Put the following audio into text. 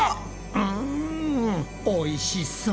うんおいしそう！